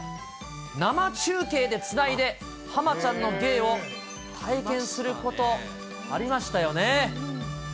生中継でつないで、ハマちゃんの芸を体験すること、ありましたよね。